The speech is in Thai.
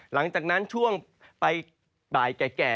หลังจากนั้นช่วงไปบ่ายแก่